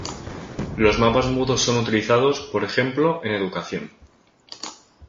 Los mapas mudos son utilizados, por ejemplo, en educación.